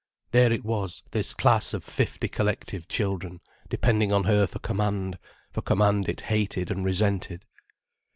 There it was, this class of fifty collective children, depending on her for command, for command it hated and resented.